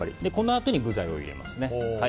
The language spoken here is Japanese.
このあとに具材を入れますね。